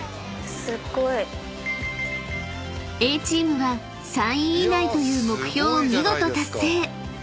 ［Ａチームは３位以内という目標を見事達成］